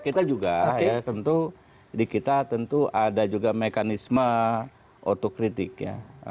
kita juga ya tentu di kita tentu ada juga mekanisme otokritik ya